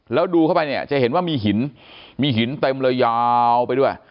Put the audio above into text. แล้วดูเข้าไปเนี่ยจะเห็นว่ามีหินมีหินเต็มเลยยาวไปด้วย